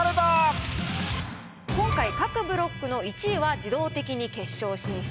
今回各ブロックの１位は自動的に決勝進出。